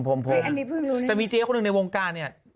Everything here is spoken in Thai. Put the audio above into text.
อันนี้เพิ่งรู้นะแต่มีเจ๊คนึงในวงกาเนี่ย